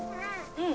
うん。